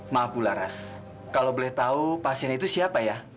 maaf bularas kalau boleh tahu pasien itu siapa ya